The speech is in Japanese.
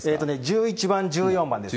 １１番、１４番です。